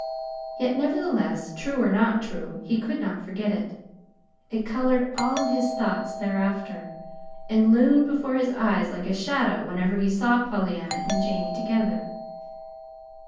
Yet nevertheless, true or not true, he could not forget it. It colored all his thoughts thereafter, and loomed before his eyes like a shadow whenever he saw Pollyanna and Jamie together.